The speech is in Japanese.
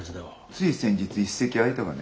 つい先日一席空いたがね。